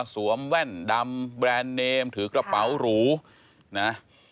แว่นดำแบรนด์เนมถือกระเป๋าหรูนะ